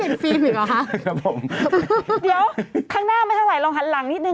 เดี๋ยวข้างหน้าไม่ทางไหลลองหันหลังนิดหนึ่ง